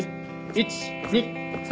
１・２・３。